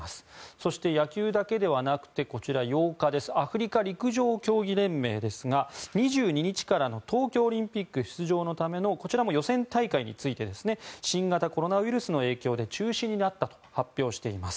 そして、野球だけではなくて８日アフリカ陸上競技連盟ですが２２日からの東京オリンピック出場のためのこちらも予選大会について新型コロナウイルスの影響で中止になったと発表しています。